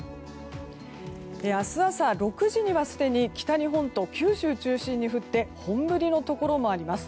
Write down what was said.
明日朝６時にはすでに北日本と九州を中心に降って本降りのところもあります。